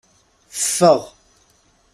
Ffeɣ!